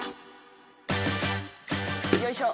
よいしょ。